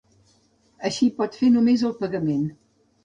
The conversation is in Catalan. Així pot fer només el pagament.